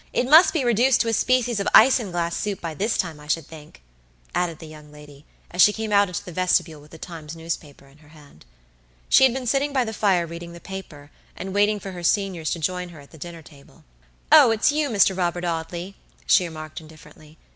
It must be reduced to a species of isinglass soup, by this time, I should think," added the young lady, as she came out into the vestibule with the Times newspaper in her hand. She had been sitting by the fire reading the paper, and waiting for her seniors to join her at the dinner table. "Oh, it's you, Mr. Robert Audley." she remarked, indifferently.